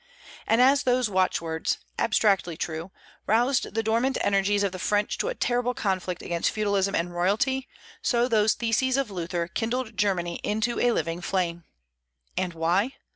And as those watchwords abstractly true roused the dormant energies of the French to a terrible conflict against feudalism and royalty, so those theses of Luther kindled Germany into a living flame. And why?